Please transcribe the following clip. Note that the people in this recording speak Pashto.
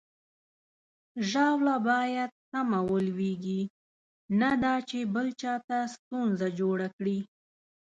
ژاوله باید سمه ولویږي، نه دا چې بل چاته ستونزه جوړه کړي.